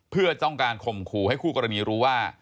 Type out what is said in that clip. เพื่อต้องการข่มขู่ให้คู่กรณีรู้ว่า